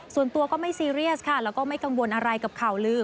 ส่วนตัวก็ไม่ซีเรียสค่ะแล้วก็ไม่กังวลอะไรกับข่าวลือ